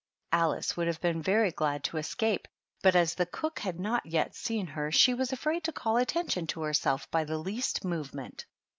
Alice would have been very glad to escape, but as the cook had not yet seen her, she was afraid to call attention to her self by the least movement.